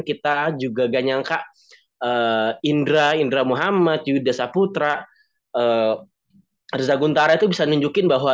kita juga gak nyangka indra indra muhammad yudha saputra aza guntara itu bisa nunjukin bahwa